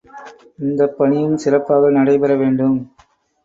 இந்த பணியும் சிறப்பாக நடைபெற வேண்டும்.